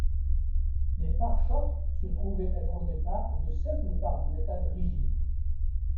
Les pare-chocs se trouvaient être au départ de simples barres de métal rigides.